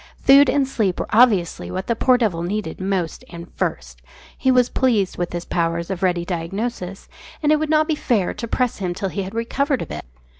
Food and sleep were obviously what the poor devil needed most and first he was pleased with his powers of ready diagnosis and it would not be fair to press him till he had recovered a bit.